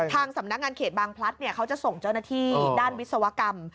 ทางสำนักงานเขตบางพลัดเขาจะส่งเจ้าหน้าที่ด้านวิศวกรรม